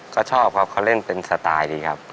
ก็ชอบครับเขาเล่นเป็นสไตล์ดีครับ